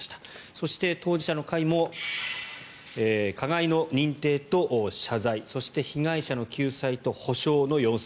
そして当事者の会も加害の認定と謝罪そして被害者の救済と補償の要請